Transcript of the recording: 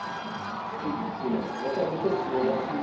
スティックのわさびと白だし。